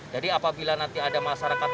jadi apabila nanti ada masyarakat